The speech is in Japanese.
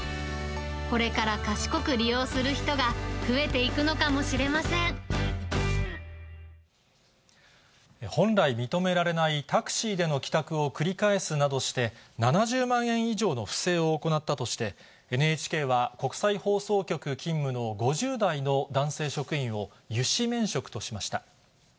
これから賢く利用する人が増えて本来、認められないタクシーでの帰宅を繰り返すなどして、７０万円以上の不正を行ったとして、ＮＨＫは国際放送局勤務の５０代の男性職員を諭旨免職としました。